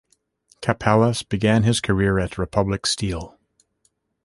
Capellas began his career at Republic Steel.